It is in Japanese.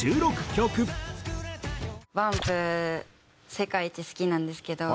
世界一好きなんですけど。